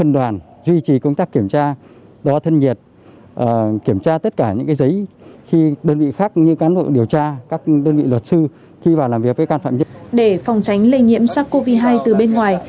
để phòng tránh lây nhiễm sars cov hai từ bên ngoài